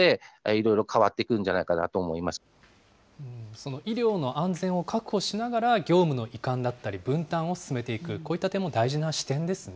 その医療の安全を確保しながら業務の移管だったり、分担を進めていく、こういった点も大事な視点ですね。